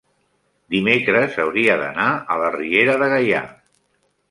dimecres hauria d'anar a la Riera de Gaià.